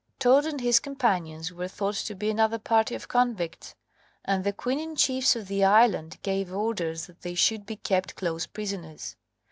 Todd and his companions were thought to be another party of convicts, and the queen and chiefs of the island gave orders that they should be kept close prisoners.